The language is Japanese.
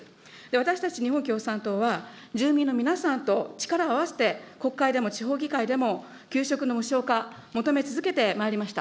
私たち日本共産党は住民の皆さんと力を合わせて国会でも地方議会でも、給食の無償化、求め続けてまいりました。